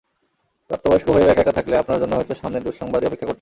প্রাপ্তবয়স্ক হয়েও একা একা থাকলে আপনার জন্য হয়তো সামনে দুঃসংবাদই অপেক্ষা করছে।